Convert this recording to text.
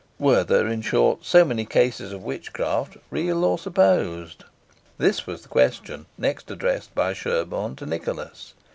Were there, in short, so many cases of witchcraft, real or supposed?" This was the question next addressed by Sherborne to Nicholas.